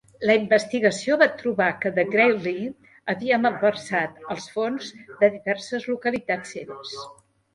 La investigació va trobar que de Grailly havia malversat els fons de diverses localitats seves.